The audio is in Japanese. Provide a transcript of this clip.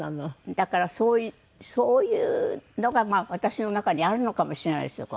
だからそういうのが私の中にあるのかもしれないですよ。